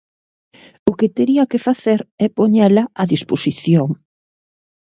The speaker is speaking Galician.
O que tería que facer é poñela á disposición.